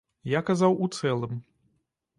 Я казаў у цэлым.